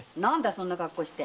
そんな格好して。